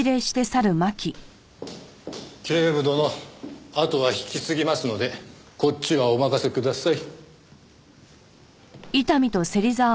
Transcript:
警部殿あとは引き継ぎますのでこっちはお任せください。